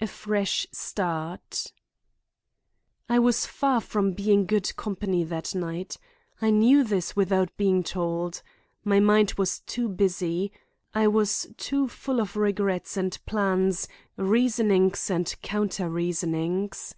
A FRESH START I was far from being good company that night. I knew this without being told. My mind was too busy. I was too full of regrets and plans, reasonings and counter reasonings.